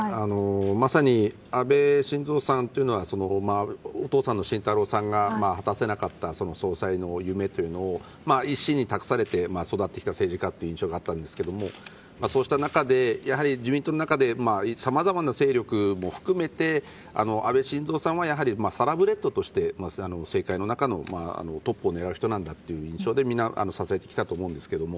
まさに安倍晋三さんというのはお父さんの晋太郎さんが果たせなかった総裁の夢というのを一身に託されて育ってきた政治家という印象があったんですがそうした中で、自民党の中でさまざまな勢力も含めて安倍晋三さんはサラブレッドとして、政界の中のトップを狙う人なんだという印象で支えてきたと思うんですが。